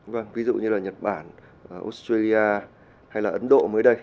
vâng ví dụ như là nhật bản australia hay là ấn độ mới đây